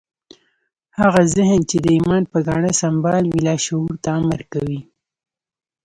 هغه ذهن چې د ايمان په ګاڼه سمبال وي لاشعور ته امر کوي.